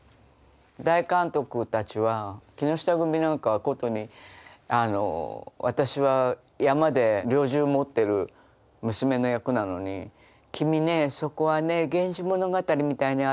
大監督たちは木下組なんかはことに私は山で猟銃持ってる娘の役なのに「君ねそこはね『源氏物語』みたいに歩くんだよ」とか急におっしゃるのね。